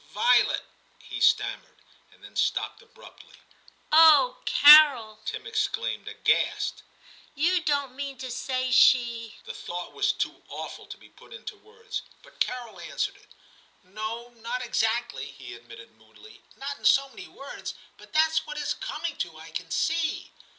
'Violet ' he stammered, and then stopped abruptly. * Oh, Carol !' Tim exclaimed, aghast, ' you don't mean to say she ' The thought was too awful to be put into words, but Carol answered it. 26o TIM CHAP. *No; not exactly,* he admitted moodily; *not in so many words, but thafs what it's coming to, I can see.'